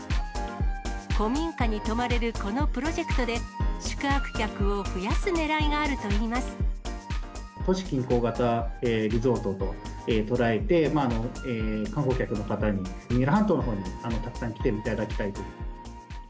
古民家に泊まれるこのプロジェクトで、宿泊客を増やすねらいがあ都市近郊型リゾートと捉えて、観光客の方に、三浦半島のほうにたくさん来ていただきたいなと。